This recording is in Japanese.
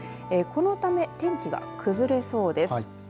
このため天気が崩れそうです。